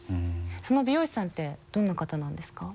その美容師さんってどんな方なんですか？